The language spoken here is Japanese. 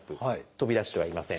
飛び出してはいません。